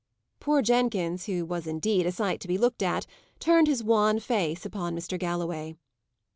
Poor Jenkins, who was indeed a sight to be looked at, turned his wan face upon Mr. Galloway.